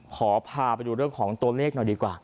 ขอพาไปดูเรื่องของตัวเลขหน่อยดีกว่า